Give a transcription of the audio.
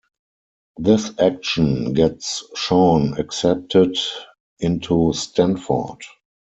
This action gets Shaun accepted into Stanford.